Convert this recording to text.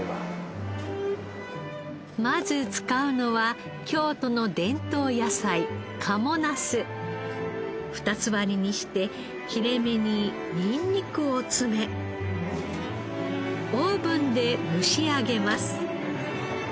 まず使うのは京都の伝統野菜２つ割りにして切れ目にニンニクを詰めオーブンで蒸し上げます。